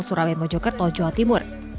surabaya mojokerto jawa timur